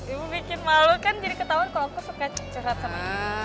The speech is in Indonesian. ibu bikin malu kan jadi ketahuan kalau aku suka curhat sama